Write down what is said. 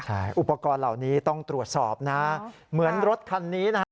ใช่อุปกรณ์เหล่านี้ต้องตรวจสอบนะเหมือนรถคันนี้นะฮะ